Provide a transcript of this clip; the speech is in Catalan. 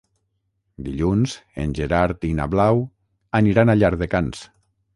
Dilluns en Gerard i na Blau aniran a Llardecans.